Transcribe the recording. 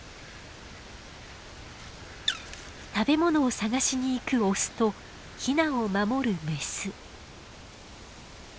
食べ物を探しに行くオスとヒナを守るメス。